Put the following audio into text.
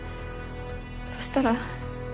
そしたら。